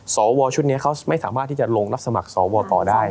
สวชุดนี้เขาไม่สามารถที่จะลงรับสมัครสวต่อได้